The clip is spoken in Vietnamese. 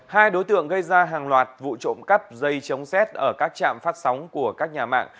hai đối tượng gây ra hàng loạt vụ trộm cắp dây chống rét ở các trạm phát sóng của các nhà mạng